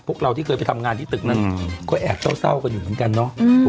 พวกเราที่เคยไปทำงานที่ตึกนั้นก็แอบเศร้ากันอยู่เหมือนกันเนาะ